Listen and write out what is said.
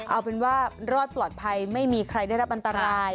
เอาเป็นว่ารอดปลอดภัยไม่มีใครได้รับอันตราย